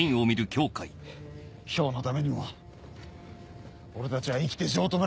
漂のためにも俺たちは生きて城戸村